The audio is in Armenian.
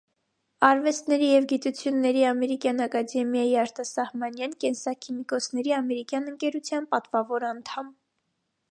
Արվեստների և գիտությունների ամերիկյան ակադեմիայի արտասահմանյան, կենսաքիմիկոսների ամերիկյան ընկերության պատվավոր անդամ։